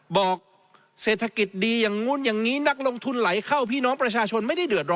บอกเศรษฐกิจดีอย่างนู้นอย่างนี้นักลงทุนไหลเข้าพี่น้องประชาชนไม่ได้เดือดร้อ